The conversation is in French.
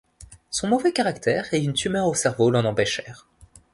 Son mauvais caractère et une tumeur au cerveau l'en empêchèrent.